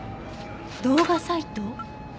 動画サイト？